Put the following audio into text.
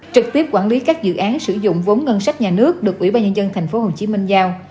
trực tiếp quản lý các dự án sử dụng vốn ngân sách nhà nước được ủy ban nhân dân tp hcm giao